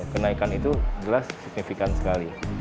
kenaikan itu jelas signifikan sekali